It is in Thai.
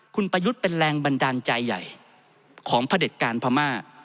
คุณประยุทธ์เป็นแรงบันดาลใจใหญ่ของพระเด็จการพม่า